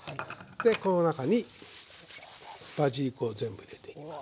でこの中にバジリコを全部入れていきます。